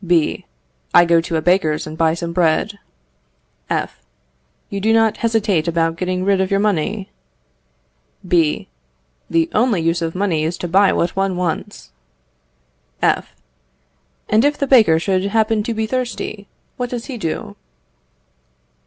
B. I go to a baker's, and buy some bread. F. You do not hesitate about getting rid of your money? B. The only use of money is to buy what one wants. F. And if the baker should happen to be thirsty, what does he do?